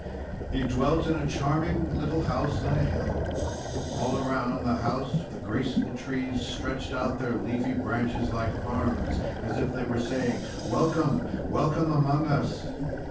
He dwelt in a charming little house on a hill. All around the house the graceful trees stretched out their leafy branches like arms, as if they were saying: "Welcome! Welcome among us!"